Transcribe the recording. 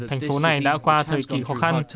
thành phố này đã qua thời kỳ khó khăn